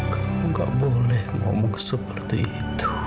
kamu gak boleh ngomong seperti itu